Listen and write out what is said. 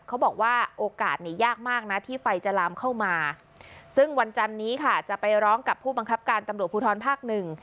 เขาบอกว่าโอกาสนี้ยากมากนะที่ไฟจะลามเข้ามาซึ่งวันจันนี้ค่ะจะไปร้องกับผู้บังคับการตำรวจภูทรภาคหนึ่ง